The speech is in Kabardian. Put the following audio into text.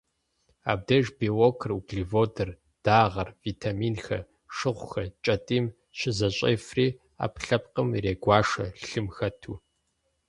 Абдеж белокыр, углеводыр, дагъэр, витаминхэр, шыгъухэр кӏэтӏийм щызэщӏефри, ӏэпкълъэпкъым ирегуашэ, лъым хэту.